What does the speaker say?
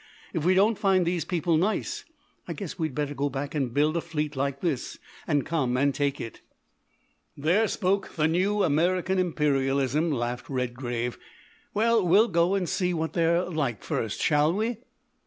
If we don't find these people nice, I guess we'd better go back and build a fleet like this, and come and take it." "There spoke the new American imperialism," laughed Redgrave. "Well, we'll go and see what they're like first, shall we?"